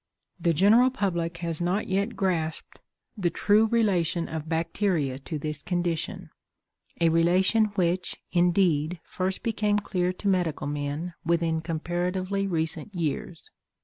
The general public has not yet grasped the true relation of bacteria to this condition; a relation which, indeed, first became clear to medical men within comparatively recent years.